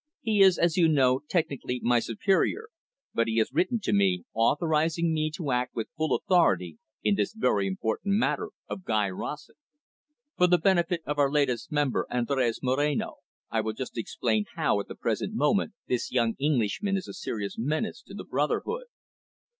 He is, as you know, technically my superior, but he has written to me, authorising me to act with full authority in this very important matter of Guy Rossett. For the benefit of our latest member, Andres Moreno, I will just explain how, at the present moment, this young Englishman is a serious menace to the brotherhood."